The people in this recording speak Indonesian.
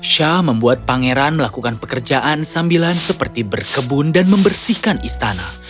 syah membuat pangeran melakukan pekerjaan sambilan seperti berkebun dan membersihkan istana